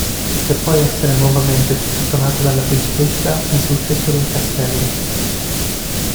Per poi essere nuovamente strattonato dalla principessa fin sul tetto del castello.